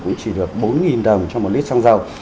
cũng chỉ được bốn đồng cho một lít xăng dầu